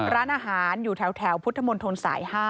ร้านอาหารอยู่แถวพุทธมนตรสาย๕